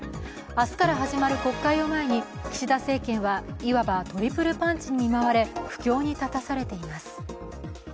明日から始まる国会を前に岸田政権はいわば、トリプルパンチに見舞われ苦境に立たされています。